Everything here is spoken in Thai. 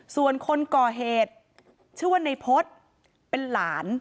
ส่วนคนก่อเหตุชื่อว่าในพฤษเป็นหลาน